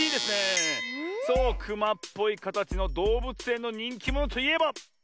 クマっぽいかたちのどうぶつえんのにんきものといえば？